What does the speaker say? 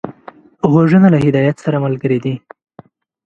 غوږونه له هدایت سره ملګري دي